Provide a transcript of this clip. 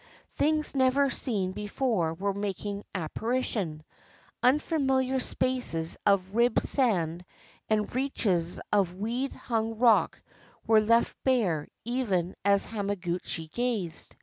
Things never seen before were making apparition; unfamiliar spaces of ribbed sand and reaches of weed hung rock were left bare even as Hamaguchi gazed.